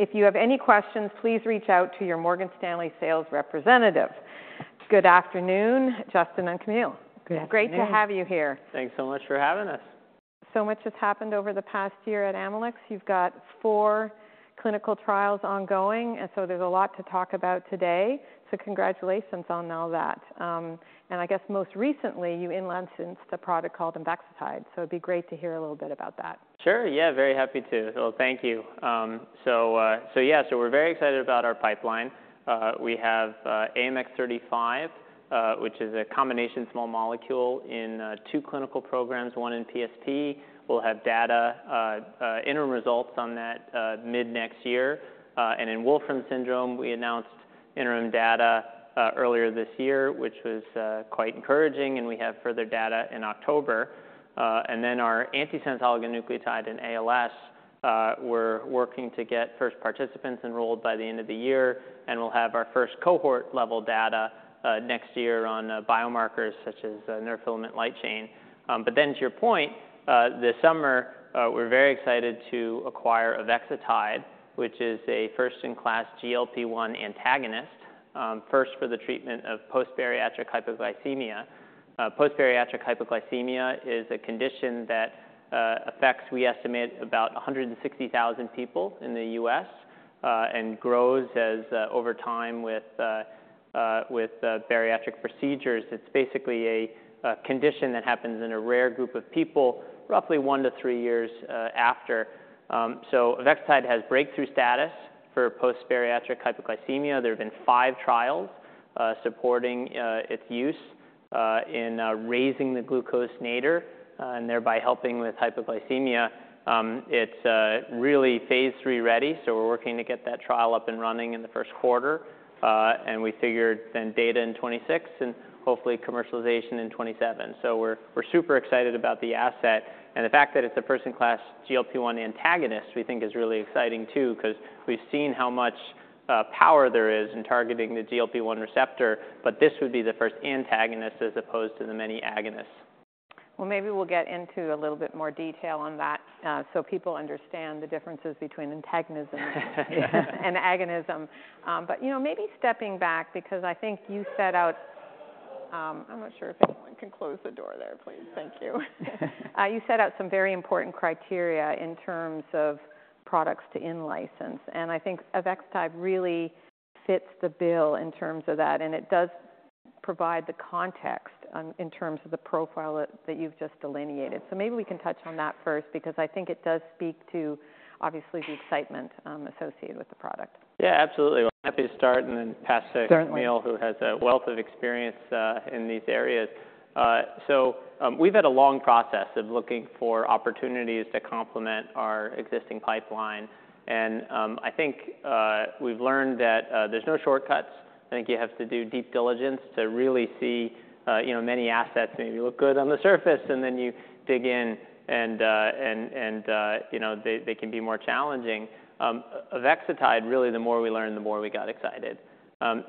If you have any questions, please reach out to your Morgan Stanley sales representative. Good afternoon, Justin and Camille. Good afternoon. Great to have you here. Thanks so much for having us. So much has happened over the past year at Amylyx. You've got four clinical trials ongoing, and so there's a lot to talk about today, so congratulations on all that, and I guess most recently, you in-licensed a product called avexitide, so it'd be great to hear a little bit about that. Sure, yeah, very happy to. Well, thank you. So, yeah, so we're very excited about our pipeline. We have AMX35, which is a combination small molecule in two clinical programs, one in PSP. We'll have data, interim results on that, mid-next year. And in Wolfram syndrome, we announced interim data, earlier this year, which was quite encouraging, and we have further data in October. And then our antisense oligonucleotide in ALS, we're working to get first participants enrolled by the end of the year, and we'll have our first cohort-level data, next year on biomarkers such as neurofilament light chain. But then to your point, this summer, we're very excited to acquire avexitide, which is a first-in-class GLP-1 antagonist, first for the treatment of post-bariatric hypoglycemia. Post-bariatric hypoglycemia is a condition that affects, we estimate, about one hundred and sixty thousand people in the U.S., and grows over time with bariatric procedures. It's basically a condition that happens in a rare group of people, roughly one to three years after, so avexitide has breakthrough status for post-bariatric hypoglycemia. There have been five trials supporting its use in raising the glucose nadir and thereby helping with hypoglycemia. It's really phase III ready, so we're working to get that trial up and running in the first quarter, and we figured then data in 2026 and hopefully commercialization in 2027. So we're super excited about the asset, and the fact that it's a first-in-class GLP-1 antagonist, we think is really exciting too, 'cause we've seen how much power there is in targeting the GLP-1 receptor, but this would be the first antagonist as opposed to the many agonists. Maybe we'll get into a little bit more detail on that, so people understand the differences between antagonism- Yeah. - and agonism. But, you know, maybe stepping back, because I think I'm not sure if anyone can close the door there, please. Thank you. You set out some very important criteria in terms of products to in-license, and I think avexitide really fits the bill in terms of that, and it does provide the context in terms of the profile that you've just delineated. So maybe we can touch on that first, because I think it does speak to, obviously, the excitement associated with the product. Yeah, absolutely. Well, happy to start and then pass to- Certainly... Camille, who has a wealth of experience in these areas, so we've had a long process of looking for opportunities to complement our existing pipeline, and I think we've learned that there's no shortcuts. I think you have to do deep diligence to really see, you know, many assets maybe look good on the surface, and then you dig in and, you know, they can be more challenging. Avexitide, really, the more we learned, the more we got excited,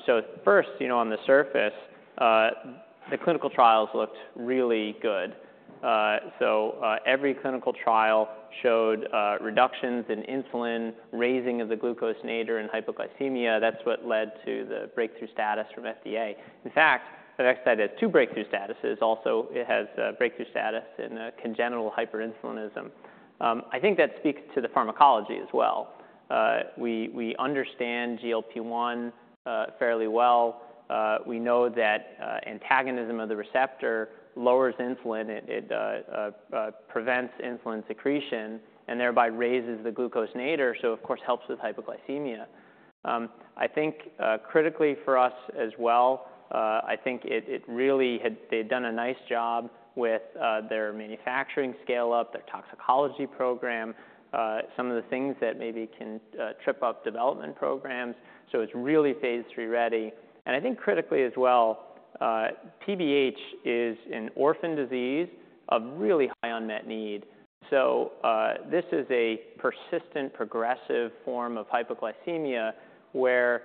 so at first, you know, on the surface, the clinical trials looked really good, so every clinical trial showed reductions in insulin, raising of the glucose nadir, and hypoglycemia. That's what led to the breakthrough status from FDA. In fact, avexitide has two breakthrough statuses. Also, it has breakthrough status in congenital hyperinsulinism. I think that speaks to the pharmacology as well. We understand GLP-1 fairly well. We know that antagonism of the receptor lowers insulin. It prevents insulin secretion and thereby raises the glucose nadir, so of course, helps with hypoglycemia. I think critically for us as well, I think it really, they'd done a nice job with their manufacturing scale-up, their toxicology program, some of the things that maybe can trip up development programs, so it's really phase III ready, and I think critically as well, PBH is an orphan disease, a really high unmet need, so this is a persistent, progressive form of hypoglycemia, where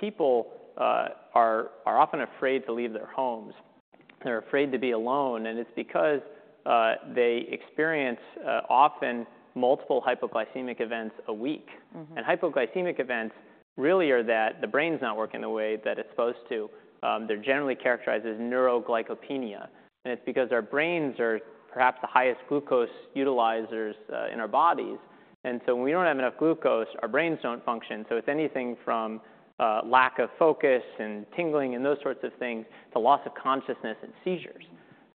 people are often afraid to leave their homes. They're afraid to be alone, and it's because they experience often multiple hypoglycemic events a week. Mm-hmm. And hypoglycemic events really are that the brain's not working the way that it's supposed to. They're generally characterized as neuroglycopenia, and it's because our brains are perhaps the highest glucose utilizers in our bodies. And so when we don't have enough glucose, our brains don't function, so it's anything from lack of focus and tingling and those sorts of things to loss of consciousness and seizures.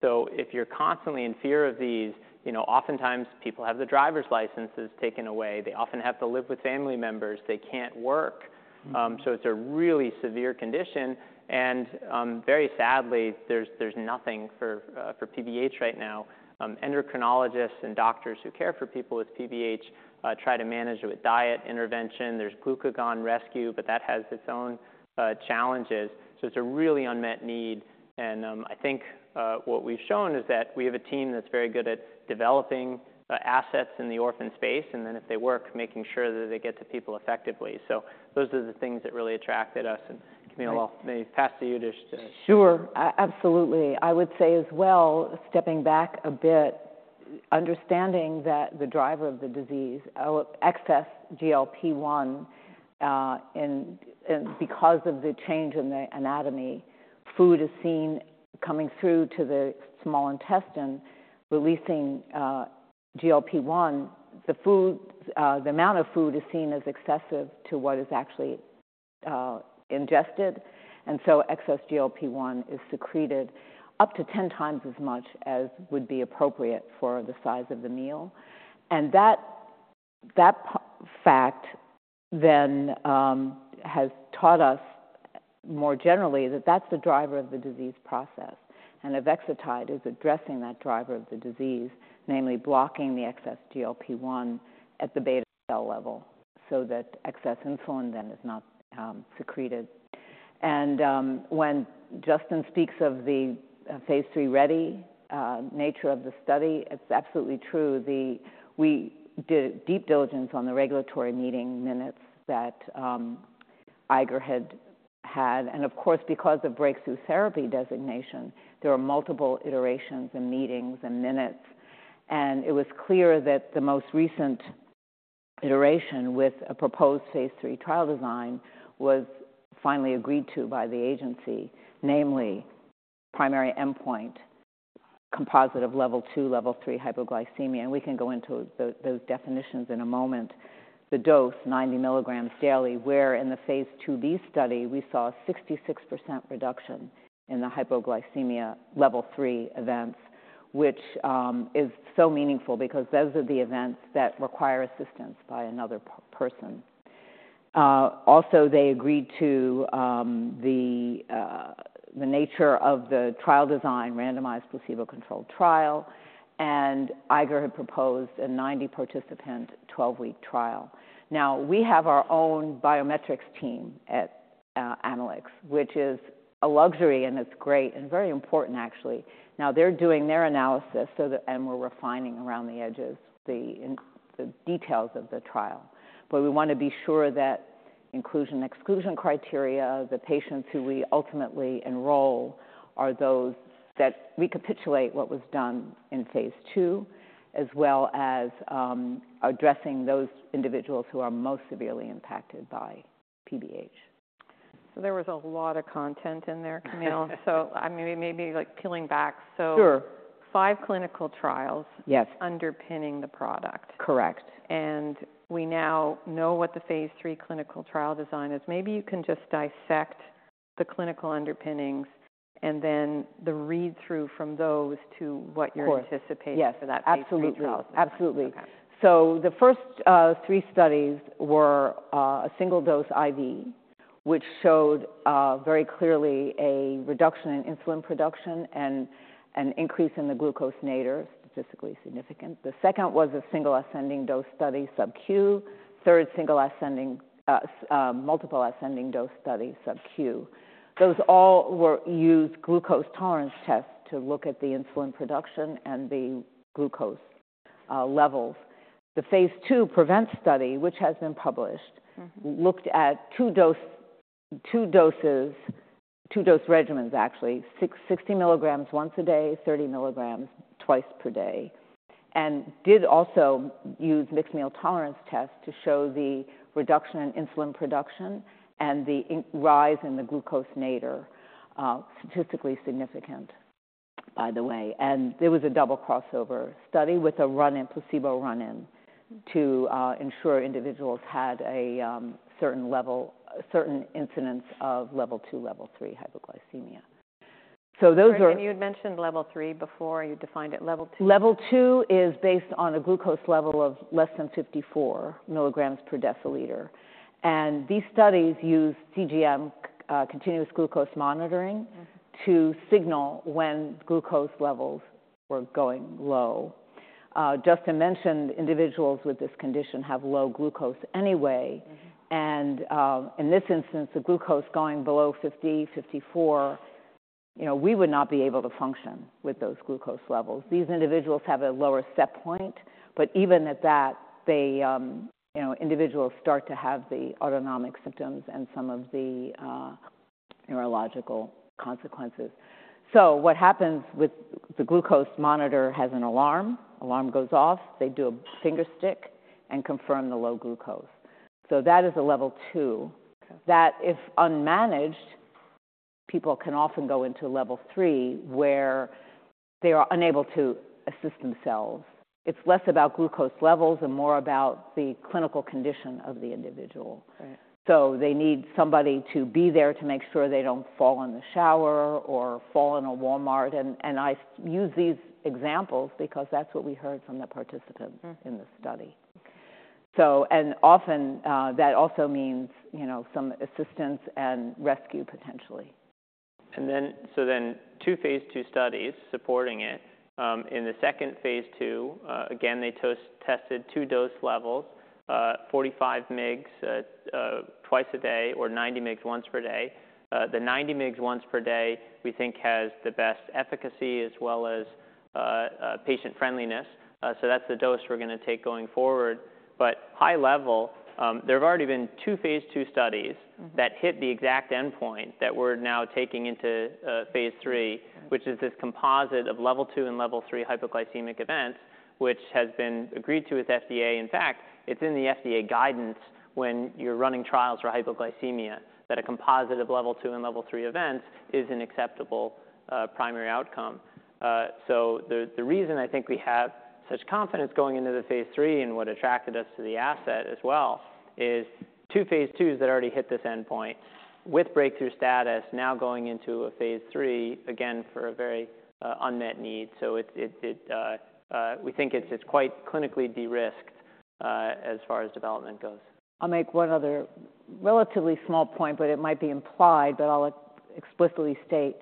So if you're constantly in fear of these, you know, oftentimes people have their driver's licenses taken away. They often have to live with family members. They can't work. Mm-hmm. So it's a really severe condition, and very sadly, there's nothing for PBH right now. endocrinologists and doctors who care for people with PBH try to manage it with diet intervention. There's glucagon rescue, but that has its own challenges, so it's a really unmet need. And I think what we've shown is that we have a team that's very good at developing assets in the orphan space, and then if they work, making sure that they get to people effectively. So those are the things that really attracted us. And, Camille, I'll maybe pass to you to just Sure, absolutely. I would say as well, stepping back a bit, understanding that the driver of the disease, excess GLP-1, and because of the change in the anatomy, food is seen coming through to the small intestine, releasing GLP-1. The food, the amount of food is seen as excessive to what is actually ingested, and so excess GLP-1 is secreted up to 10 times as much as would be appropriate for the size of the meal, and that fact then has taught us more generally that that's the driver of the disease process. And avexitide is addressing that driver of the disease, namely blocking the excess GLP-1 at the beta cell level so that excess insulin then is not secreted, and when Justin speaks of the phase III-ready nature of the study, it's absolutely true. We did deep diligence on the regulatory meeting minutes that Eiger had had, and of course, because of breakthrough therapy designation, there were multiple iterations and meetings and minutes. It was clear that the most recent iteration with a proposed phase III trial design was finally agreed to by the agency, namely, primary endpoint, composite Level 2, Level 3 hypoglycemia, and we can go into those definitions in a moment. The dose, 90 milligrams daily, where in the phase IIb study, we saw a 66% reduction in the hypoglycemia Level 3 events, which is so meaningful because those are the events that require assistance by another person. Also, they agreed to the nature of the trial design, randomized placebo-controlled trial, and Eiger had proposed a 90-participant, 12-week trial. Now, we have our own biometrics team at Amylyx, which is a luxury, and it's great and very important, actually. Now, they're doing their analysis so that and we're refining around the edges the details of the trial. But we wanna be sure that inclusion/exclusion criteria, the patients who we ultimately enroll are those that recapitulate what was done in phase II, as well as addressing those individuals who are most severely impacted by PBH. So there was a lot of content in there, Camille. So, I mean, maybe, like, peeling back, so- Sure. Five clinical trials- Yes underpinning the product. Correct. And we now know what the phase III clinical trial design is. Maybe you can just dissect the clinical underpinnings and then the read-through from those to what you're- Of course Anticipating for that phase III trial. Yes, absolutely. Absolutely. Okay. So the first three studies were a single-dose IV, which showed very clearly a reduction in insulin production and an increase in the glucose nadir, statistically significant. The second was a single ascending dose study, subQ. Third, multiple ascending dose study, subQ. Those all were used glucose tolerance test to look at the insulin production and the glucose levels. The phase II PREVENT study, which has been published- Mm-hmm... looked at two doses, two dose regimens, actually. 60 milligrams once a day, 30 milligrams twice per day, and did also use mixed meal tolerance test to show the reduction in insulin production and the rise in the glucose nadir, statistically significant, by the way. And there was a double crossover study with a run-in, placebo run-in, to ensure individuals had a certain level, certain incidence Level 2, Level 3 hypoglycemia. So those are- And you had Level 3 before, you defined it. Level 2? Level 2 is based on a glucose level of less than 54 milligrams per deciliter, and these studies use CGM, continuous glucose monitoring- Mm to signal when glucose levels were going low. Justin mentioned individuals with this condition have low glucose anyway. Mm-hmm. In this instance, the glucose going below 50, 54, you know, we would not be able to function with those glucose levels. These individuals have a lower set point, but even at that, they, you know, individuals start to have the autonomic symptoms and some of the neurological consequences. The glucose monitor has an alarm. Alarm goes off, they do a finger stick and confirm the low glucose. So that is a Level 2. Okay. That, if unmanaged, people can often go level 3, where they are unable to assist themselves. It's less about glucose levels and more about the clinical condition of the individual. Right. So they need somebody to be there to make sure they don't fall in the shower or fall in a Walmart, and I use these examples because that's what we heard from the participants. Mm - in the study. Okay. And often, that also means, you know, some assistance and rescue potentially. And then two phase II studies supporting it. In the second phase II, again, they tested two dose levels, 45 mg twice a day or 90 mg once per day. The 90 mg once per day, we think has the best efficacy as well as patient friendliness. So that's the dose we're gonna take going forward. But high level, there have already been two phase 2 studies. Mm-hmm. That hit the exact endpoint that we're now taking into phase 3, which is this Level 2 Level 3 hypoglycemic events, which has been agreed to with FDA. In fact, it's in the FDA guidance when you're running trials for hypoglycemia, that a Level 2 Level 3 events is an acceptable primary outcome. So the reason I think we have such confidence going into the phase 3 and what attracted us to the asset as well is two phase 2s that already hit this endpoint with breakthrough status, now going into a phase 3, again, for a very unmet need. So we think it's quite clinically de-risked as far as development goes. I'll make one other relatively small point, but it might be implied, but I'll explicitly state,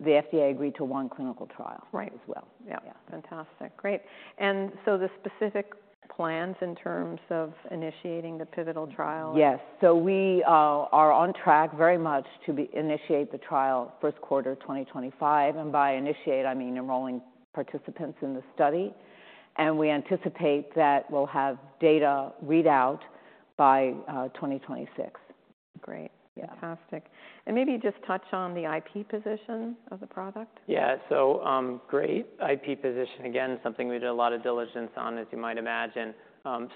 the FDA agreed to one clinical trial. Right. -as well. Yeah. Yeah. Fantastic. Great. And so the specific plans in terms of initiating the pivotal trial? Yes, so we are on track very much to initiate the trial first quarter 2025, and by initiate, I mean enrolling participants in the study, and we anticipate that we'll have data readout by 2026. Great. Yeah. Fantastic. And maybe just touch on the IP position of the product. Yeah. So, great IP position, again, something we did a lot of diligence on, as you might imagine.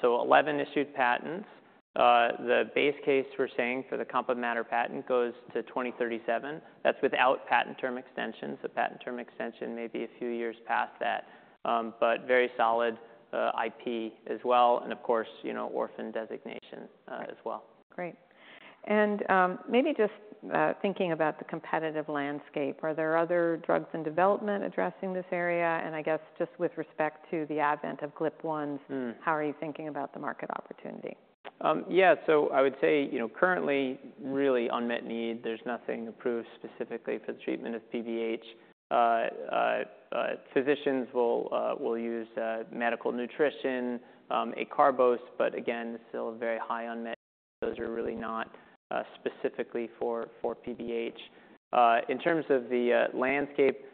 So 11 issued patents. The base case we're saying for the composition of matter patent goes to 2037. That's without patent term extensions. The patent term extension may be a few years past that, but very solid, IP as well, and of course, you know, orphan designation, as well. Great. And maybe just thinking about the competitive landscape, are there other drugs in development addressing this area? And I guess just with respect to the advent of GLP-1s- Mm. How are you thinking about the market opportunity? Yeah, so I would say, you know, currently, really unmet need, there's nothing approved specifically for the treatment of PBH. Physicians will use medical nutrition, acarbose, but again, still very high unmet. Those are really not specifically for PBH. In terms of the landscape,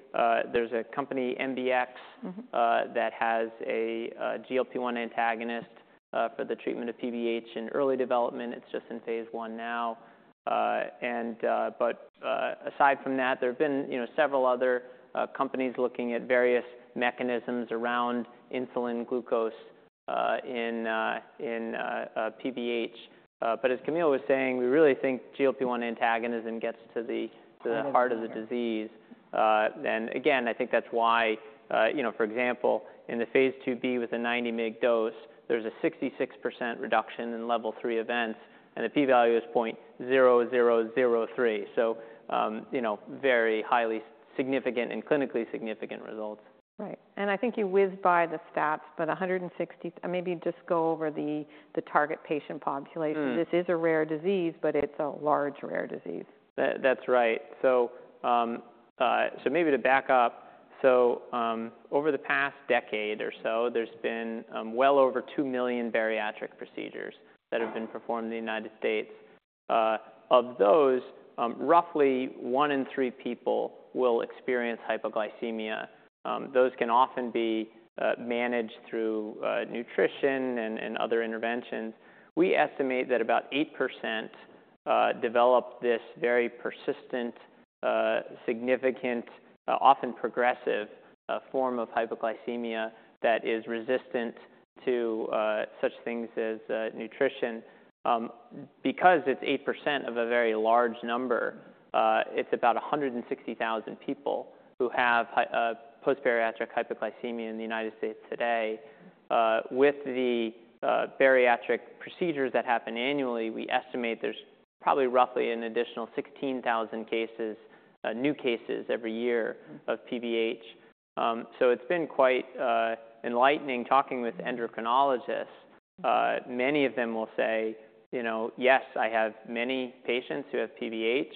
there's a company, MBX- Mm-hmm... that has a GLP-1 antagonist for the treatment of PBH in early development. It's just in phase I now. And, but, aside from that, there have been, you know, several other companies looking at various mechanisms around insulin glucose in PBH. But as Camille was saying, we really think GLP-1 antagonism gets to the, to the- Heart heart of the disease. And again, I think that's why, you know, for example, in the phase 2b with a ninety mg dose, there's a 66% reduction Level 3 events, and the p-value is point zero zero zero three. So, you know, very highly significant and clinically significant results. Right. And I think you whizzed by the stats, but a hundred and sixty... Maybe just go over the target patient population. Mm. This is a rare disease, but it's a large rare disease. That's right. Maybe to back up, over the past decade or so, there's been well over two million bariatric procedures- Wow! -that have been performed in the United States. Of those, roughly one in three people will experience hypoglycemia. Those can often be managed through nutrition and other interventions. We estimate that about 8% develop this very persistent significant often progressive form of hypoglycemia that is resistant to such things as nutrition. Because it's 8% of a very large number, it's about 160,000 people who have post-bariatric hypoglycemia in the United States today. With the bariatric procedures that happen annually, we estimate there's probably roughly an additional 16,000 cases new cases every year of PBH. So it's been quite enlightening talking with endocrinologists. Many of them will say, "You know, yes, I have many patients who have PBH.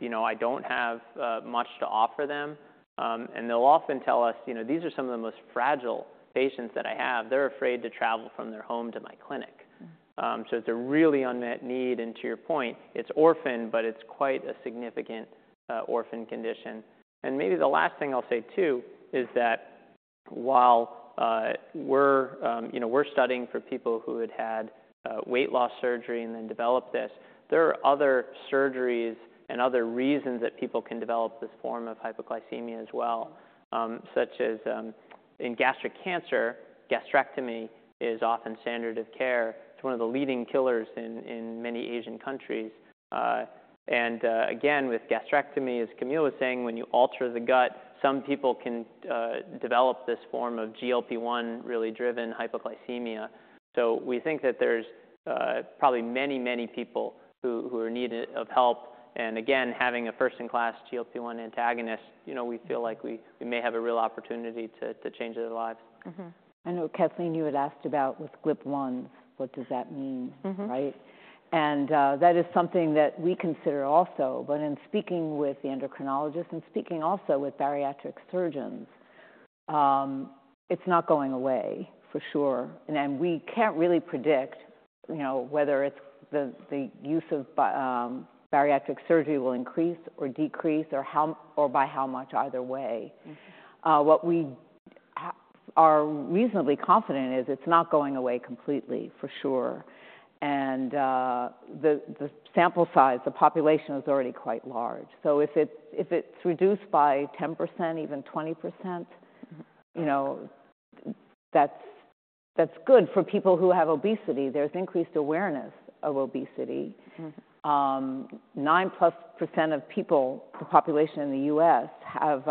You know, I don't have much to offer them," and they'll often tell us, "You know, these are some of the most fragile patients that I have. They're afraid to travel from their home to my clinic. Mm. So it's a really unmet need, and to your point, it's orphan, but it's quite a significant orphan condition. And maybe the last thing I'll say, too, is that while we're you know we're studying for people who had had weight loss surgery and then developed this, there are other surgeries and other reasons that people can develop this form of hypoglycemia as well. Such as in gastric cancer, gastrectomy is often standard of care. It's one of the leading killers in many Asian countries. And again, with gastrectomy, as Camille was saying, when you alter the gut, some people can develop this form of GLP-1 really driven hypoglycemia. So we think that there's probably many, many people who are in need of help. Again, having a first-in-class GLP-1 antagonist, you know, we feel like we may have a real opportunity to change their lives. Mm-hmm. I know, Kathleen, you had asked about with GLP-1, what does that mean? Mm-hmm. Right? And that is something that we consider also. But in speaking with the endocrinologist and speaking also with bariatric surgeons, it's not going away, for sure. And then we can't really predict, you know, whether it's the use of bariatric surgery will increase or decrease or how or by how much, either way. Mm-hmm. What we are reasonably confident is it's not going away completely, for sure, and the sample size, the population is already quite large. So if it's reduced by 10%, even 20%- Mm-hmm. You know, that's good for people who have obesity. There's increased awareness of obesity. Mm-hmm. 9+% of the population in the U.S. have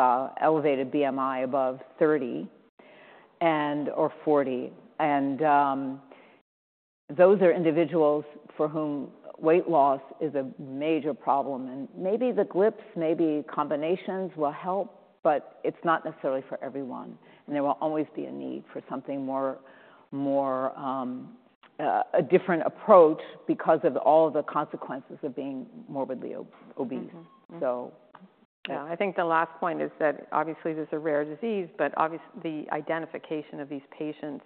elevated BMI above 30 and/or 40. Those are individuals for whom weight loss is a major problem, and maybe the GLPs, maybe combinations will help, but it's not necessarily for everyone. There will always be a need for something more, a different approach because of all of the consequences of being morbidly obese. Mm-hmm. Mm-hmm. So... Yeah, I think the last point is that obviously this is a rare disease, but the identification of these patients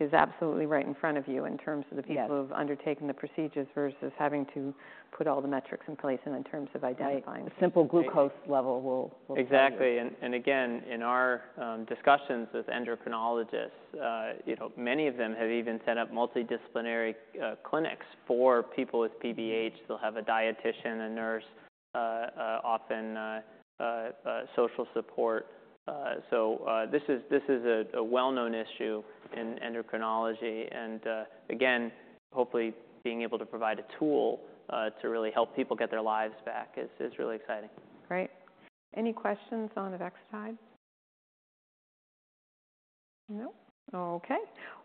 is absolutely right in front of you in terms of the- Yes... people who have undertaken the procedures versus having to put all the metrics in place and in terms of identifying- Right. A simple glucose level will tell you. Exactly, and again, in our discussions with endocrinologists, you know, many of them have even set up multidisciplinary clinics for people with PBH. They'll have a dietician, a nurse, social support. So, this is a well-known issue in endocrinology, and again, hopefully, being able to provide a tool to really help people get their lives back is really exciting. Great. Any questions on avexitide? No? Okay,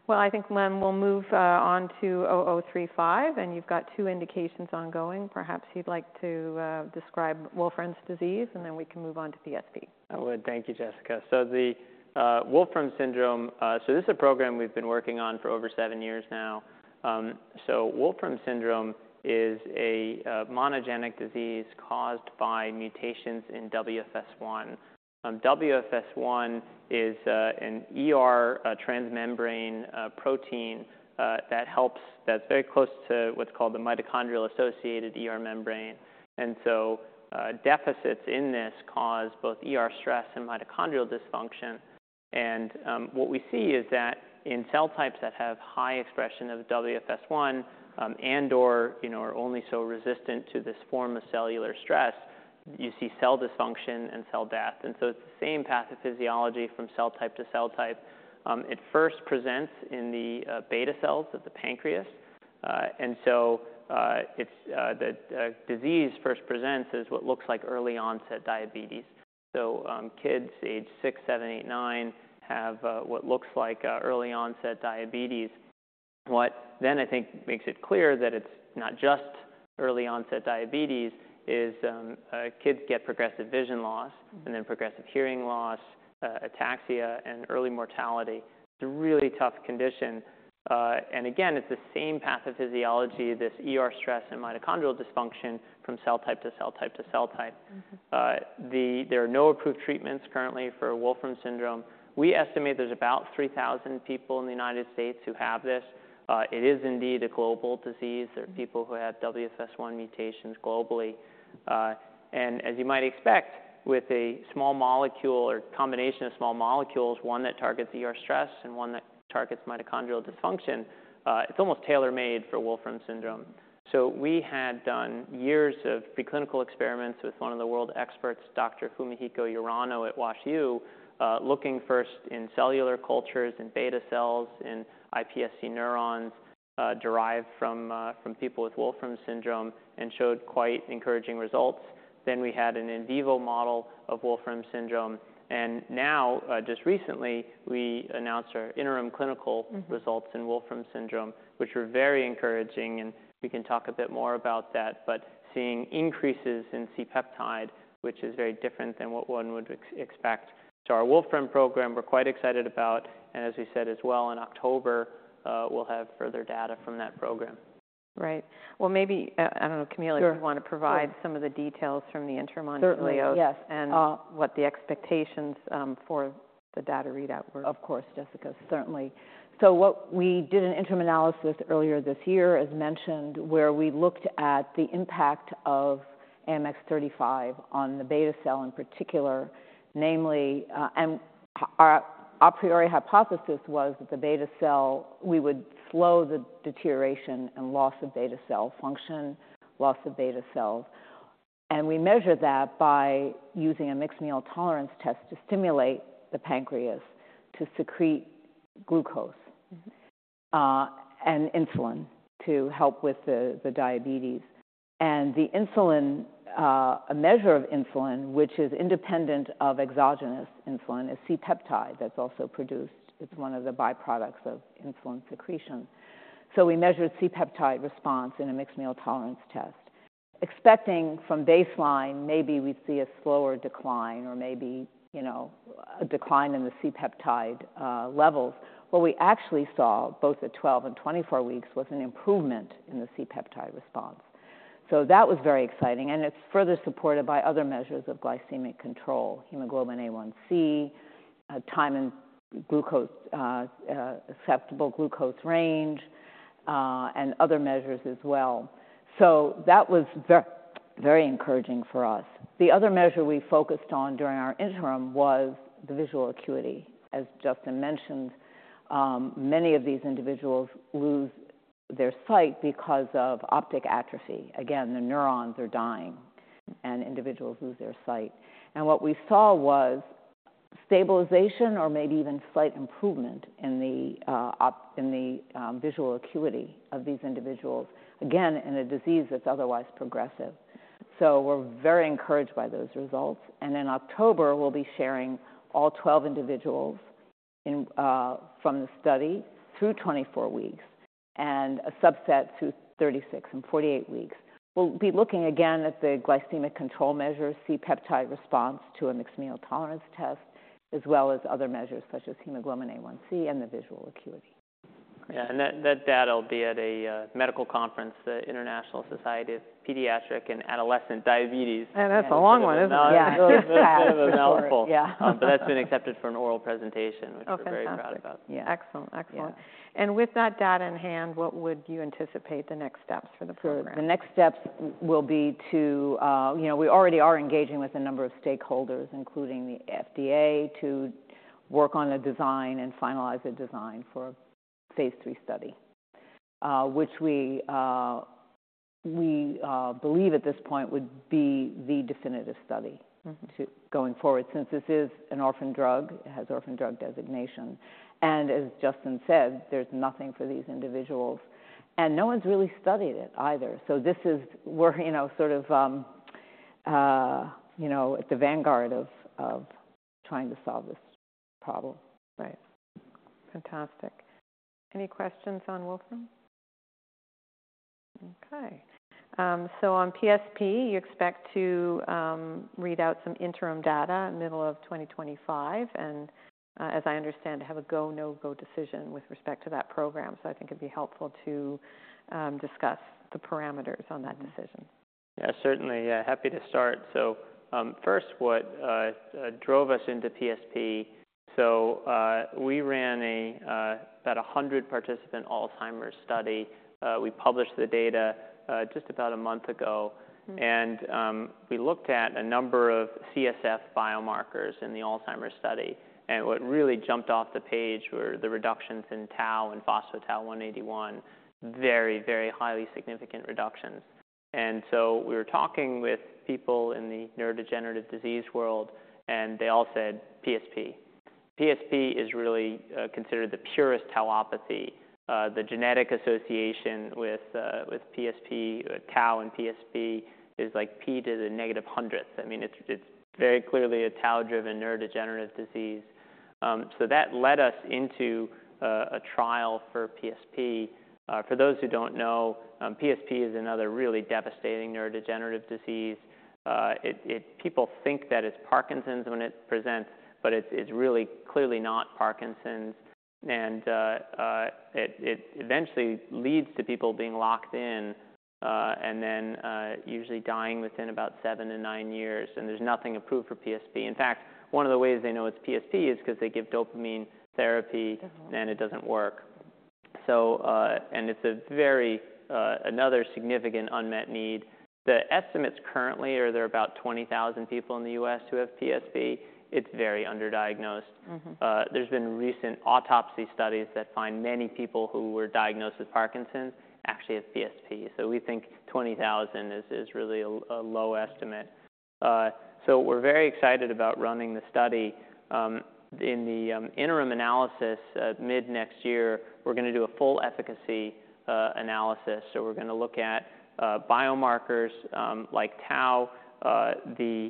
well, I think, then, we'll move on to AMX0035, and you've got two indications ongoing. Perhaps you'd like to describe Wolfram's disease, and then we can move on to PSP. I would. Thank you, Jessica. So the Wolfram syndrome, so this is a program we've been working on for over seven years now. So Wolfram syndrome is a monogenic disease caused by mutations in WFS1. WFS1 is an ER transmembrane protein that helps—that's very close to what's called the mitochondrial-associated ER membrane. And so deficits in this cause both ER stress and mitochondrial dysfunction. And what we see is that in cell types that have high expression of WFS1, and/or, you know, are only so resistant to this form of cellular stress, you see cell dysfunction and cell death. And so it's the same pathophysiology from cell type to cell type. It first presents in the beta cells of the pancreas. And so, it's the disease first presents as what looks like early-onset diabetes. So, kids aged six, seven, eight, nine, have what looks like early-onset diabetes. What then I think makes it clear that it's not just early-onset diabetes is, kids get progressive vision loss, and then progressive hearing loss, ataxia, and early mortality. It's a really tough condition. And again, it's the same pathophysiology, this ER stress and mitochondrial dysfunction from cell type to cell type to cell type. Mm-hmm. There are no approved treatments currently for Wolfram syndrome. We estimate there's about three thousand people in the United States who have this. It is indeed a global disease. There are people who have WFS1 mutations globally, and as you might expect, with a small molecule or combination of small molecules, one that targets ER stress and one that targets mitochondrial dysfunction, it's almost tailor-made for Wolfram syndrome. So we had done years of preclinical experiments with one of the world experts, Dr. Fumihiko Urano, at WashU, looking first in cellular cultures, in beta cells, in iPSC neurons derived from people with Wolfram syndrome, and showed quite encouraging results. Then we had an in vivo model of Wolfram syndrome, and now, just recently, we announced our interim clinical- Mm-hmm... Results in Wolfram syndrome, which were very encouraging, and we can talk a bit more about that. But seeing increases in C-peptide, which is very different than what one would expect. So our Wolfram program, we're quite excited about, and as we said as well, in October, we'll have further data from that program. Right. Well, maybe, I don't know, Camille- Sure... if you want to provide some of the details from the interim analysis. Certainly, yes. What the expectations for the data readout were. Of course, Jessica, certainly. So what we did an interim analysis earlier this year, as mentioned, where we looked at the impact of AMX0035 on the beta cell in particular, namely. And our a priori hypothesis was that the beta cell, we would slow the deterioration and loss of beta cell function, loss of beta cells. And we measured that by using a mixed meal tolerance test to stimulate the pancreas to secrete glucose. Mm-hmm... and insulin to help with the diabetes. And the insulin, a measure of insulin, which is independent of exogenous insulin, is C-peptide. That's also produced. It's one of the byproducts of insulin secretion. So we measured C-peptide response in a mixed meal tolerance test. Expecting from baseline, maybe we'd see a slower decline or maybe, you know, a decline in the C-peptide levels. What we actually saw, both at 12 and 24 weeks, was an improvement in the C-peptide response... so that was very exciting, and it's further supported by other measures of glycemic control: hemoglobin A1c, time in range, acceptable glucose range, and other measures as well. So that was very encouraging for us. The other measure we focused on during our interim was the visual acuity. As Justin mentioned, many of these individuals lose their sight because of optic atrophy. Again, the neurons are dying, and individuals lose their sight. And what we saw was stabilization or maybe even slight improvement in the visual acuity of these individuals, again, in a disease that's otherwise progressive. So we're very encouraged by those results. And in October, we'll be sharing all 12 individuals from the study through 24 weeks, and a subset through 36 and 48 weeks. We'll be looking again at the glycemic control measures, C-peptide response to a mixed meal tolerance test, as well as other measures such as hemoglobin A1c and the visual acuity. Yeah, and that data will be at a medical conference, the International Society for Pediatric and Adolescent Diabetes. That's a long one, isn't it? Yeah. It's a bit of a mouthful. Yeah. But that's been accepted for an oral presentation. Oh, fantastic. -which we're very proud about. Yeah. Excellent. Excellent. Yeah. With that data in hand, what would you anticipate the next steps for the program? The next steps will be to, you know, we already are engaging with a number of stakeholders, including the FDA, to work on a design and finalize a design for a phase III study, which we believe at this point would be the definitive study. Mm-hmm. -to, going forward, since this is an orphan drug. It has orphan drug designation. And as Justin said, there's nothing for these individuals, and no one's really studied it either. So this is we're, you know, sort of, you know, at the vanguard of trying to solve this problem. Right. Fantastic. Any questions on Wolfram? Okay. So on PSP, you expect to read out some interim data in middle of twenty twenty-five, and, as I understand, have a go/no-go decision with respect to that program. So I think it'd be helpful to discuss the parameters on that decision. Yeah, certainly. Yeah, happy to start. So, first, what drove us into PSP. So, we ran about a hundred-participant Alzheimer's study. We published the data, just about a month ago. Mm. We looked at a number of CSF biomarkers in the Alzheimer's study, and what really jumped off the page were the reductions in tau and phospho-tau 181. Very, very highly significant reductions. We were talking with people in the neurodegenerative disease world, and they all said, "PSP." PSP is really considered the purest tauopathy. The genetic association with PSP, tau and PSP is like p to the negative hundred. I mean, it's very clearly a tau-driven neurodegenerative disease. That led us into a trial for PSP. For those who don't know, PSP is another really devastating neurodegenerative disease. People think that it's Parkinson's when it presents, but it's really clearly not Parkinson's. It eventually leads to people being locked in, and then usually dying within about seven to nine years, and there's nothing approved for PSP. In fact, one of the ways they know it's PSP is 'cause they give dopamine therapy. Mm-hmm. and it doesn't work. So, and it's another very significant unmet need. The estimates currently are there are about 20,000 people in the U.S. who have PSP. It's very underdiagnosed. Mm-hmm. There's been recent autopsy studies that find many people who were diagnosed with Parkinson's actually have PSP, so we think twenty thousand is really a low estimate. So we're very excited about running the study. In the interim analysis at mid-next year, we're gonna do a full efficacy analysis. So we're gonna look at biomarkers like tau.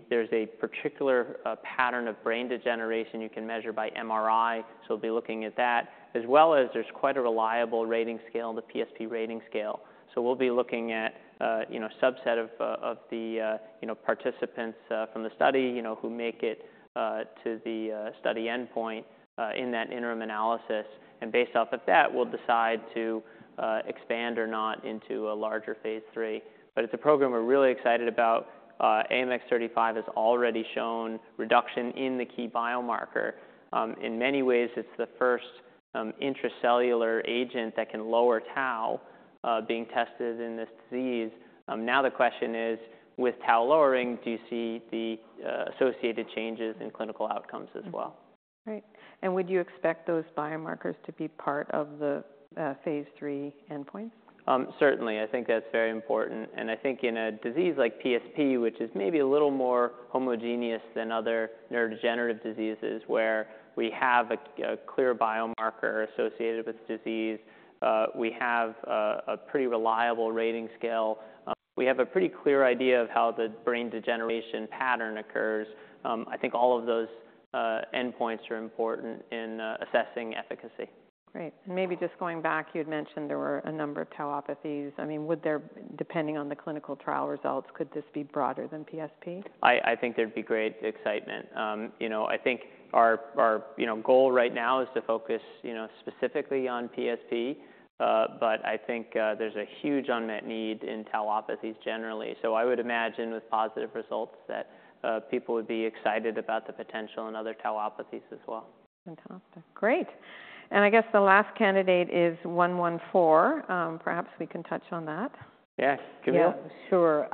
There's a particular pattern of brain degeneration you can measure by MRI, so we'll be looking at that. As well as there's quite a reliable rating scale, the PSP Rating Scale. So we'll be looking at you know subset of the you know participants from the study, you know, who make it to the study endpoint in that interim analysis. And based off of that, we'll decide to expand or not into a larger phase III. But it's a program we're really excited about. AMX35 has already shown reduction in the key biomarker. In many ways, it's the first intracellular agent that can lower tau being tested in this disease. Now the question is, with tau lowering, do you see the associated changes in clinical outcomes as well? Mm-hmm. Great. And would you expect those biomarkers to be part of the phase III endpoints? Certainly. I think that's very important, and I think in a disease like PSP, which is maybe a little more homogeneous than other neurodegenerative diseases, where we have a clear biomarker associated with the disease, we have a pretty reliable rating scale, we have a pretty clear idea of how the brain degeneration pattern occurs. I think all of those endpoints are important in assessing efficacy. Great. And maybe just going back, you'd mentioned there were a number of tauopathies. I mean, would there, depending on the clinical trial results, could this be broader than PSP? I think there'd be great excitement. You know, I think our goal right now is to focus, you know, specifically on PSP. But I think there's a huge unmet need in tauopathies generally. So I would imagine, with positive results, that people would be excited about the potential in other tauopathies as well. Fantastic. Great! And I guess the last candidate is AMX0114. Perhaps we can touch on that. Yeah, can we? Yeah, sure.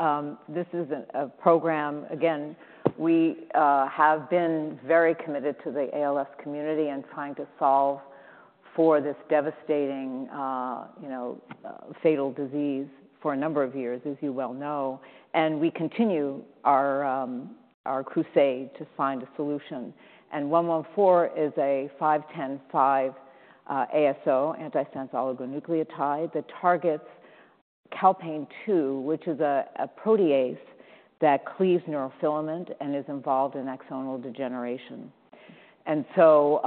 This is a program. Again, we have been very committed to the ALS community and trying to solve for this devastating, you know, fatal disease for a number of years, as you well know, and we continue our crusade to find a solution, and AMX0114 is a 5-10-5 ASO, antisense oligonucleotide, that targets calpain-2, which is a protease that cleaves neurofilament and is involved in axonal degeneration, so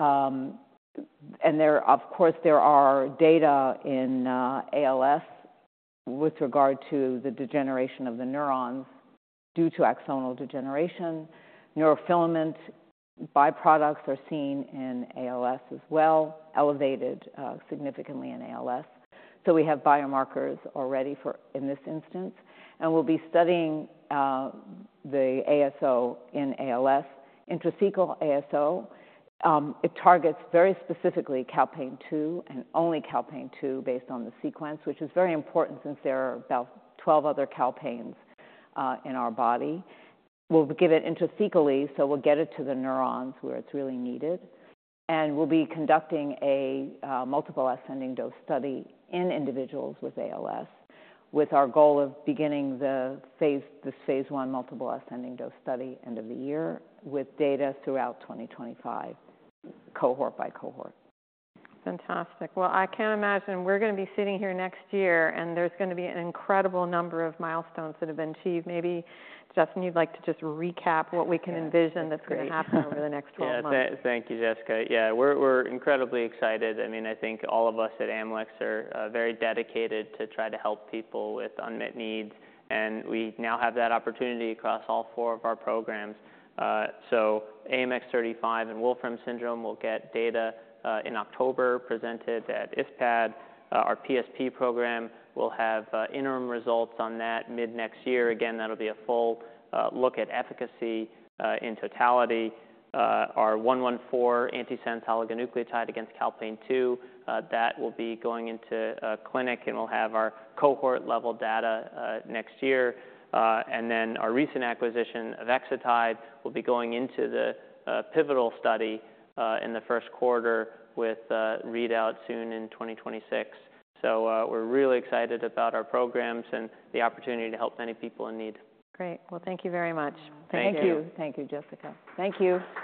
of course, there are data in ALS with regard to the degeneration of the neurons due to axonal degeneration. Neurofilament byproducts are seen in ALS as well, elevated significantly in ALS, so we have biomarkers already for, in this instance, and we'll be studying the ASO in ALS. Intrathecal ASO. It targets very specifically calpain-2, and only calpain-2 based on the sequence, which is very important since there are about 12 other calpains in our body. We'll give it intrathecally, so we'll get it to the neurons where it's really needed. We'll be conducting a multiple ascending dose study in individuals with ALS, with our goal of beginning the phase one multiple ascending dose study end of the year, with data throughout 2025, cohort by cohort. Fantastic. Well, I can't imagine we're gonna be sitting here next year, and there's gonna be an incredible number of milestones that have been achieved. Maybe, Justin, you'd like to just recap what we can envision- Yeah. That's gonna happen over the next twelve months. Yeah. Thank you, Jessica. Yeah, we're incredibly excited. I mean, I think all of us at Amylyx are very dedicated to try to help people with unmet needs, and we now have that opportunity across all four of our programs. So AMX0035 and Wolfram syndrome will get data in October, presented at ISPAD. Our PSP program will have interim results on that mid-next year. Again, that'll be a full look at efficacy in totality. Our AMX0114 antisense oligonucleotide against calpain-2 that will be going into a clinic, and we'll have our cohort-level data next year. And then our recent acquisition of avexitide will be going into the pivotal study in the first quarter with a readout soon in 2026. We're really excited about our programs and the opportunity to help many people in need. Great. Well, thank you very much. Thank you. Thank you. Thank you, Jessica. Thank you.